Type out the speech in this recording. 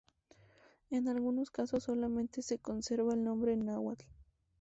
En algunos casos, solamente se conserva el nombre en náhuatl.